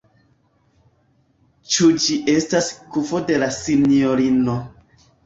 Ĉu ĝi estas kufo de la sinjorino.